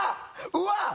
うわっ！